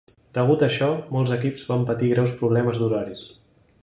Degut a això, molts equips van patir greus problemes d'horaris.